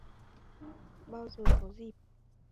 Bao giờ có dịp